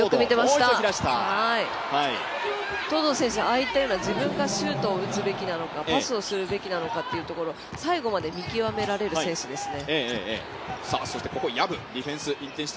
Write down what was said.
東藤選手、ああいったような自分がシュートを打つべきなのかパスをするべきなのかっていうところ最後まで、見極められる選手ですね。